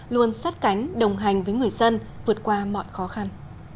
luôn sát cánh đồng hành với người dân vượt qua mọi khó khăn